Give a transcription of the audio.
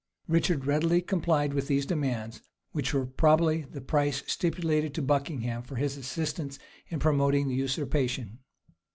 Richard readily complied with these demands, which were probably the price stipulated to Buckingham for his assistance in promoting the usurpation.